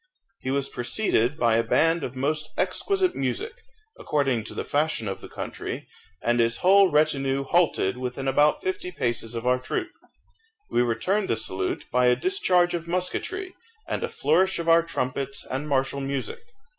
He was preceded by a band of most exquisite music, according to the fashion of the country, and his whole retinue halted within about fifty paces of our troop. We returned the salute by a discharge of musketry, and a flourish of our trumpets and martial music.